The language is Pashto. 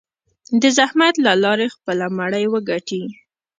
د زحمت له لارې خپله مړۍ وګټي.